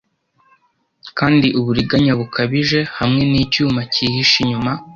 Kandi uburiganya bukabije hamwe nicyuma cyihishe inyuma;